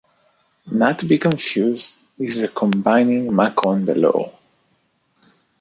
Not to be confused is the combining macron below.